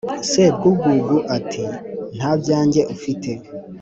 sebwugugu ati: "nta byanjye ufite